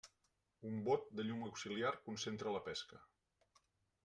Un bot de llum auxiliar concentra la pesca.